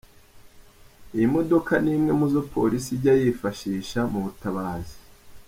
Iyi modoka ni imwe mo zo Polisi ijya yifashisha mu butabazi.